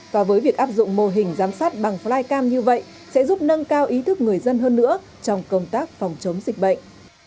và với việc áp dụng mô hình giám sát bằng flycam như vậy sẽ giúp nâng cao ý thức người dân hơn nữa trong công tác phòng chống dịch bệnh